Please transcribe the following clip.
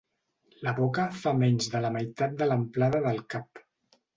La boca fa menys de la meitat de l'amplada del cap.